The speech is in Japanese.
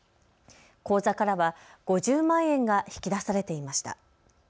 口座からは５０万円が引き出されていました。